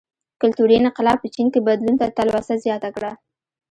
کلتوري انقلاب په چین کې بدلون ته تلوسه زیاته کړه.